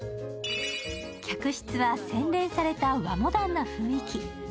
客室は洗練された和モダンな雰囲気。